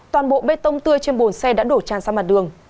toàn bộ bê tông tươi trên bồn xe đã đổ tràn ra mặt đường